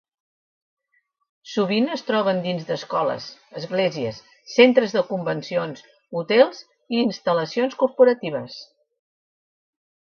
Sovint es troben dins d'escoles, esglésies, centres de convencions, hotels i instal·lacions corporatives.